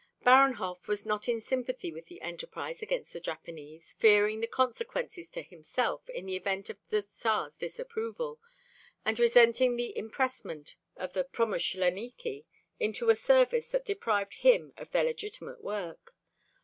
Baranhov was not in sympathy with the enterprise against the Japanese, fearing the consequences to himself in the event of the Tsar's disapproval, and resenting the impressment of the promuschleniki into a service that deprived him of their legitimate work.